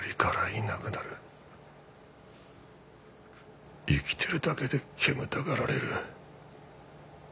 生きてるだけで煙たがられる。